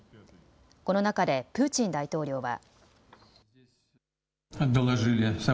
この中でプーチン大統領は。